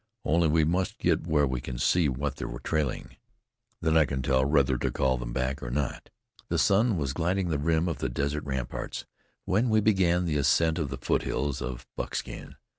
Only we must get where we can see what they're trailing. Then I can tell whether to call then back or not." The sun was gilding the rim of the desert rampart when we began the ascent of the foothills of Buckskin.